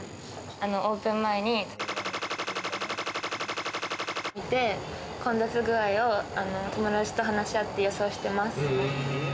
オープン前に見て、混雑具合を友達と話し合って予想してます。